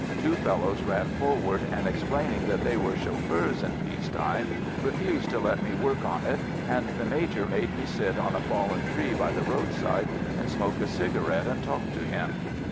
Two fellows ran forward, and explaining that they were chauffeurs in peace time, refused to let me work on it, and the Major made me sit on a fallen tree by the roadside and smoke a cigarette and talk to him.